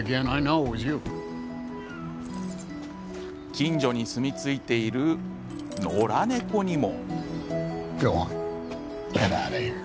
近所に住み着いている野良猫にも。